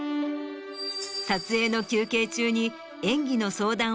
撮影の休憩中に。